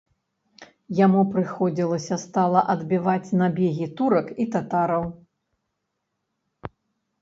Яму прыходзілася стала адбіваць набегі турак і татараў.